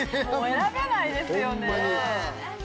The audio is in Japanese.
選べないですよね。